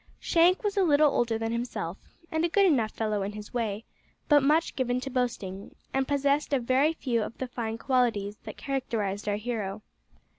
Shank was a little older than himself, and a good enough fellow in his way, but much given to boasting, and possessed of very few of the fine qualities that characterised our hero.